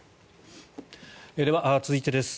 では、続いてです。